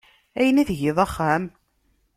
Ayen i tgiḍ axxam?